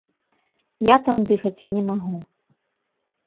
Я там дыхаць не магу.